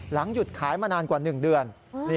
หยุดขายมานานกว่า๑เดือน